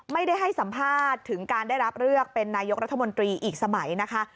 ไม่ได้ให้สัมภาษณ์ถึงการได้รับเลือกเป็นนายกรัฐมนตรีอีกสมัยนะคะ